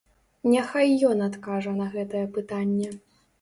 Няхай ён адкажа на гэтае пытанне.